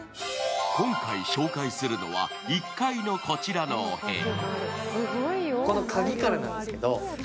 今回紹介するのは１階のこちらのお部屋。